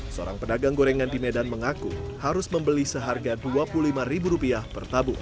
seorang pedagang gorengan di medan mengaku harus membeli seharga rp dua puluh lima per tabung